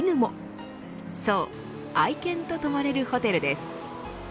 そう、愛犬と泊まれるホテルです。